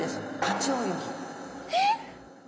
えっ！？